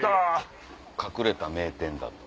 隠れた名店だ。